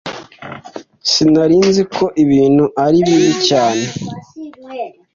Sinari nzi ko ibintu ari bibi cyane.